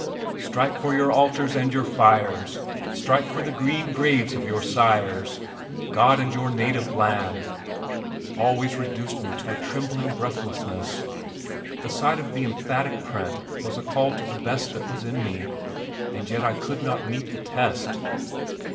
"STRIKE FOR YOUR ALTARS AND YOUR FIRES. STRIKE FOR THE GREEN GRAVES OF YOUR SIRES GOD AND YOUR NATIVE LAND," always reduced me to a trembling breathlessness. The sight of the emphatic print was a call to the best that was in me and yet I could not meet the test.